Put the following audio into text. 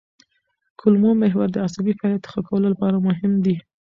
کولمو محور د عصبي فعالیت ښه کولو لپاره مهم دی.